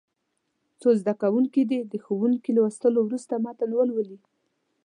څو زده کوونکي دې د ښوونکي لوستلو وروسته متن ولولي.